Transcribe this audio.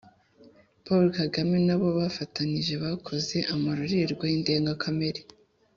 Paul Kagame n'abo bafatanije bakoze amarorerwa y'indengakamere